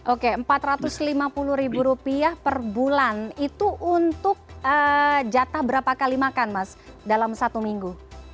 oke rp empat ratus lima puluh ribu rupiah per bulan itu untuk jatah berapa kali makan mas dalam satu minggu